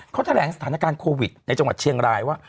เขาแถลงสถานการณ์โควิดในจังหวัดเชียงรายว่า